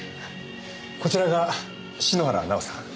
こちらが篠原奈緒さん。